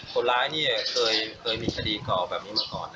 คนร้ายเนี่ยเคยมีคดีเก่าแบบนี้มาก่อน